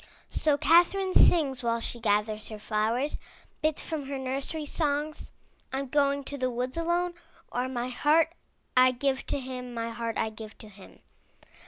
So Catherine sings while she gathers her flowers, bits from her nursery songs: 'Tm going to the woods alone,'* or *'My heart I give to him, My heart I give to him.''